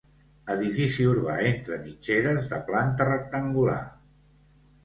Edifici urbà entre mitgeres de planta rectangular.